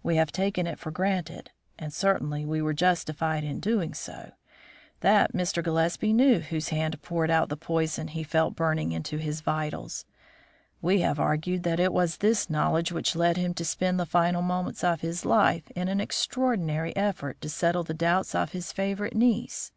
We have taken it for granted (and certainly we were justified in doing so) that Mr. Gillespie knew whose hand poured out the poison he felt burning into his vitals. We have argued that it was this knowledge which led him to spend the final moments of his life in an extraordinary effort to settle the doubts of his favourite niece.